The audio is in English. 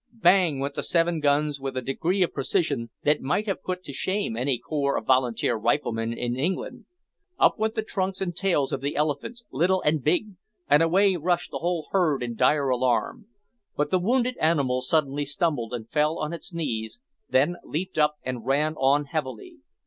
Bang went the seven guns with a degree of precision that might have put to shame any corps of volunteer riflemen in England; up went the trunks and tails of the elephants, little and big, and away rushed the whole herd in dire alarm. But the wounded animal suddenly stumbled and fell on its knees, then leaped up and ran on heavily.